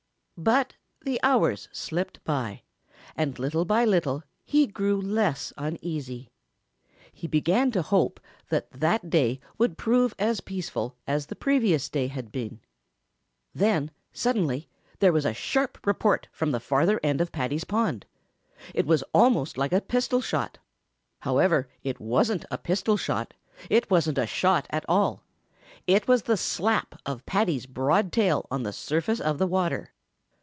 But the hours slipped away, and little by little he grew less uneasy. He began to hope that that day would prove as peaceful as the previous day had been. Then suddenly there was a sharp report from the farther end of Paddy's pond. It was almost like a pistol shot. However, it wasn't a pistol shot. It wasn't a shot at all. It was the slap of Paddy's broad tail on the surface of the water.